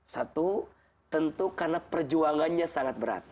satu tentu karena perjuangannya sangat berat